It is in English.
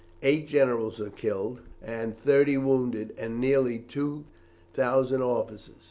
Eight generals were killed and thirty wounded, and nearly two thousand officers.